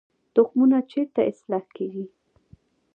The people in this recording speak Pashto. تخمونه چیرته اصلاح کیږي؟